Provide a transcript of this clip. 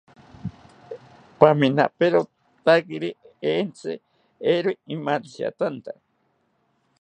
Paminaperotakiri entzi, eero imantziatanta